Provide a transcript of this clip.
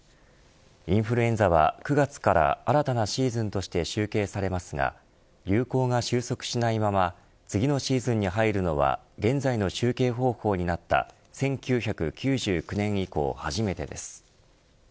インフルエンザは、９月から新たなシーズンとして集計されますが流行が収束しないまま次のシーズンに入るのは現在の集計方法になった１９９９年以降、初めてです。